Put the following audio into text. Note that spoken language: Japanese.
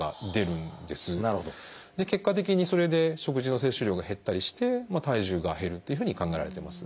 結果的にそれで食事の摂取量が減ったりして体重が減るっていうふうに考えられてます。